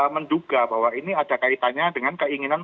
menduga bahwa ini ada kaitannya dengan keinginan